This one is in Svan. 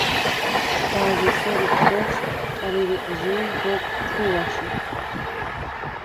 ბა̄ზ’ ესერ უფგოვშ ჭალი რიყჟი̄ნ როგვ ჩუ̄ვ აშიდხ.